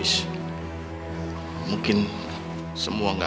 saya semua ingat